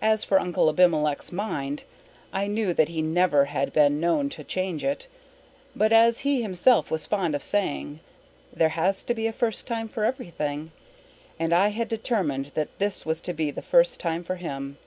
As for Uncle Abimelech's mind, I knew that he never had been known to change it. But, as he himself was fond of saying, there has to be a first time for everything, and I had determined that this was to be the first time for him.